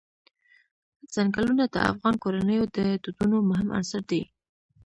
ځنګلونه د افغان کورنیو د دودونو مهم عنصر دی.